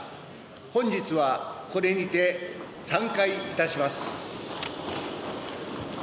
本日はこれにて散会いたします。